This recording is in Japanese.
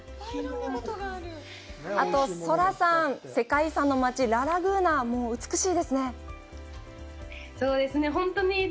あとソラさん、世界遺産の街ラ・ラグーナは美しいですね。